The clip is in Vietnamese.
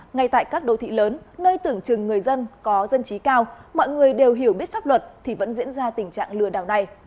ngay tại các đô thị lớn nơi tưởng chừng người dân có dân trí cao mọi người đều hiểu biết pháp luật thì vẫn diễn ra tình trạng lừa đảo này